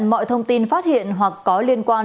mọi thông tin phát hiện hoặc có liên quan